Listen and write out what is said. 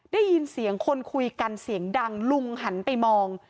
ได้ยินเสียงคนคุยกันเสียงดังลุงหันไปมอง